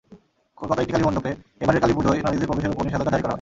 কলকাতার একটি কালীমণ্ডপে এবারের কালীপূজায় নারীদের প্রবেশের ওপর নিষেধাজ্ঞা জারি করা হয়।